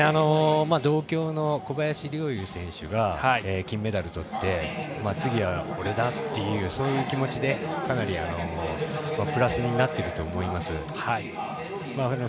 同郷の小林陵侑選手が金メダルとって次は俺だっていうそういう気持ちでかなり、プラスになっていると思います。